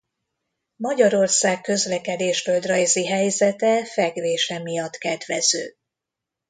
Magyarország közlekedés-földrajzi helyzete fekvése miatt kedvező.